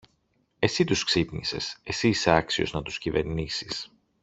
Εσύ τους ξύπνησες, εσύ είσαι άξιος να τους κυβερνήσεις!